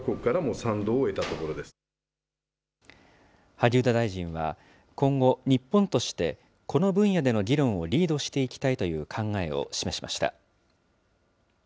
萩生田大臣は、今後、日本としてこの分野での議論をリードしていきたいという考えを示しました。